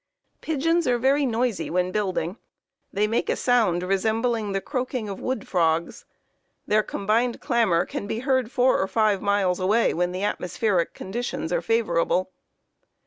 "Pigeons are very noisy when building. They make a sound resembling the croaking of wood frogs. Their combined clamor can be heard 4 or 5 miles away when the atmospheric conditions are favorable.